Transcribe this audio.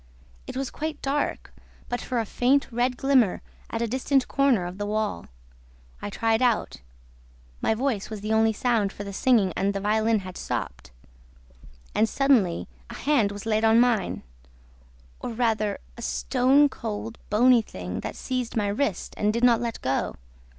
It was quite dark, but for a faint red glimmer at a distant corner of the wall. I tried out. My voice was the only sound, for the singing and the violin had stopped. And, suddenly, a hand was laid on mine ... or rather a stone cold, bony thing that seized my wrist and did not let go.